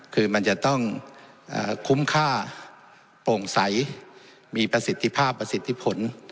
คือมันจะต้องคุ้มค่าโปร่งใสมีประสิทธิภาพประสิทธิผล